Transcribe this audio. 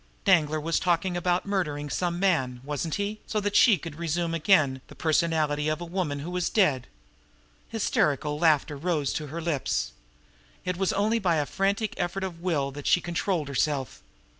Danglar was talking about murdering some man, wasn't he, so that she could resume again the personality of a woman who was dead? Hysterical laughter rose to her lips. It was only by a frantic effort of will that she controlled herself.